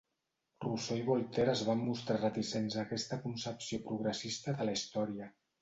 Rousseau i Voltaire es van mostrar reticents a aquesta concepció progressista de la història.